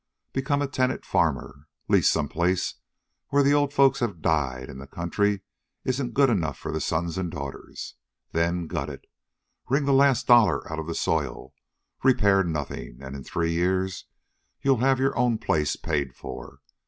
Become a tenant farmer. Lease some place, where the old folks have died and the country isn't good enough for the sons and daughters. Then gut it. Wring the last dollar out of the soil, repair nothing, and in three years you'll have your own place paid for.